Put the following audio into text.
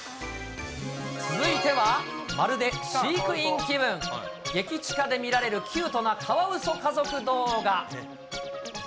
続いては、まるで飼育員気分、激近で見られるキュートなカワウソ家族動画。